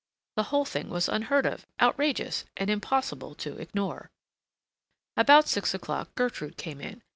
The whole thing was unheard of, outrageous, and—impossible to ignore. About six o'clock Gertrude came in.